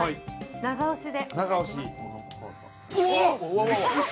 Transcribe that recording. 長押しで。